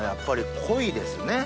濃いですね。